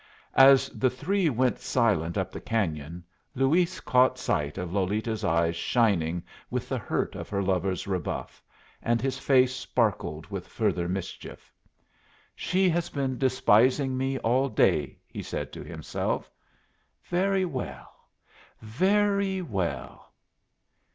As the three went silent up the cañon, Luis caught sight of Lolita's eyes shining with the hurt of her lover's rebuff, and his face sparkled with further mischief. "She has been despising me all day," he said to himself. "Very well, very well.